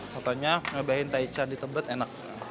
contohnya ngebahin taichan di tebet enak